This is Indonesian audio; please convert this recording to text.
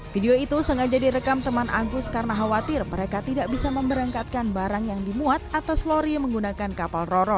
video itu sengaja direkam teman agus karena khawatir mereka tidak bisa memberangkatkan barang yang dimuat atas lori menggunakan kapal roro